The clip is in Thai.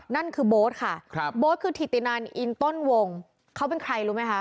นั่นคือโบ๊ทค่ะครับโบ๊ทคือถิตินันอินต้นวงเขาเป็นใครรู้ไหมคะ